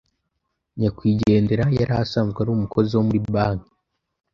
Nyakwigendera yari asanzwe ari umukozi wo muri banki